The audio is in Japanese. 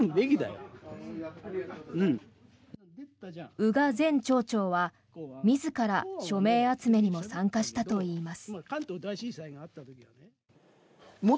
宇賀前町長は自ら署名集めにも参加したといいます。